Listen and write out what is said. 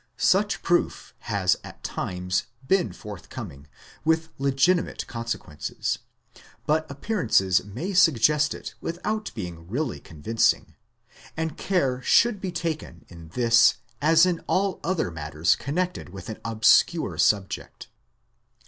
Such proof has at times been forthcoming with legitimate consequences, but appear ances may suggest it without being really convincing; and care should be taken in this as in all other matters connected with an obscure subject.